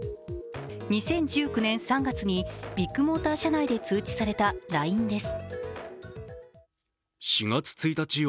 ２０１９年３月にビッグモーター社内で通知されたＬＩＮＥです。